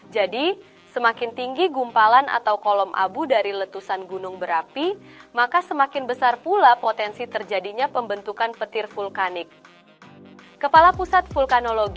jadi semakin tinggi gumpalan atau kolom abu dari letusan gunung berapi maka semakin besar pula potensi terjadinya pembentukan petir vulkanik